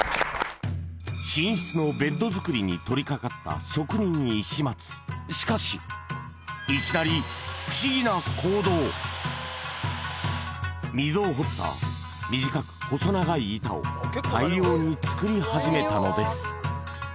寝室のベッド作りに取りかかった職人・石松しかしいきなり溝を彫った短く細長い板を大量に作り始めたのです